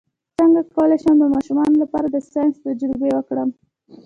څنګه کولی شم د ماشومانو لپاره د ساینس تجربې وکړم